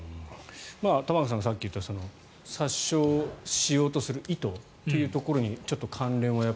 玉川さんがさっき言った殺傷しようとする意図というところにちょっと関連は。